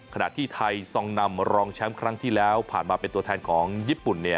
ขณะที่ไทยซองนำรองแชมป์ครั้งที่แล้วผ่านมาเป็นตัวแทนของญี่ปุ่น